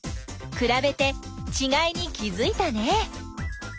くらべてちがいに気づいたね。